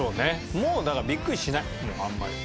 もうだからビックリしないあんまり。